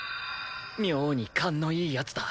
妙に勘のいい奴だ。